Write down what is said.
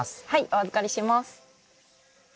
お預かりします。